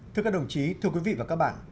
thưa các đồng chí thưa quý vị và các bạn